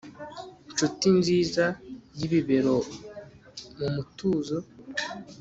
nshuti nziza-yibibero mu mutuzo